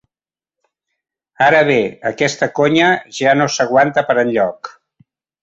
Ara bé, aquesta conya ja no s'aguanta per enlloc.